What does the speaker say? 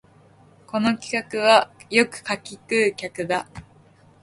この客はよく柿食う客だ